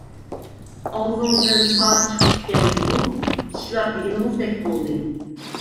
ئاغزىڭىزدىن سائەت چىقىپتىكەن جۇمۇ، ئىشلار دېگىنىڭىزدەك بولدى.